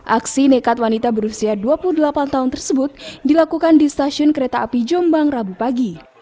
aksi nekat wanita berusia dua puluh delapan tahun tersebut dilakukan di stasiun kereta api jombang rabu pagi